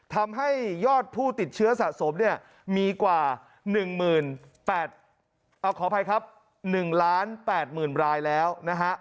ทำให้ยอดผู้ติดเชื้อสะสมมีกว่า๑๐๘๐๐๐รายแล้วนะครับ